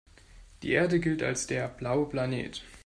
Die Erde gilt als der „blaue Planet“.